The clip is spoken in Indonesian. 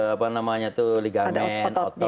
apa namanya itu ligamen otot gitu ya